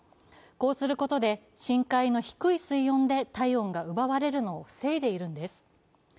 こうすることで、深海の低い水温で体温が奪われるのを防いでいるんです。